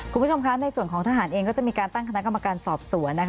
คุณผู้ชมคะในส่วนของทหารเองก็จะมีการตั้งคณะกรรมการสอบสวน